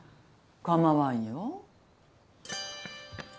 構わんよ。